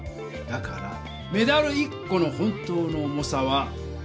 だからメダル１この本当の重さは。